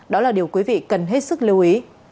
đó là điều quý vị cần hết sức lưu ý